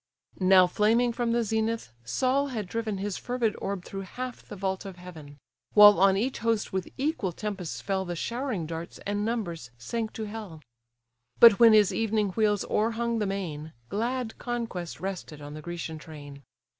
Now flaming from the zenith, Sol had driven His fervid orb through half the vault of heaven; While on each host with equal tempests fell The showering darts, and numbers sank to hell. But when his evening wheels o'erhung the main, Glad conquest rested on the Grecian train.